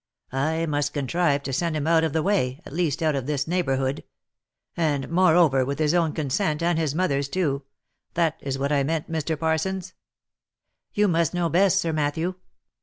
•' I must contrive to send him out of the way, at least out of this neighbourhood ; and moreover with his own consent and his mother's too. That is what I meant, Mr. Parsons." " You must know best, Sir Matthew.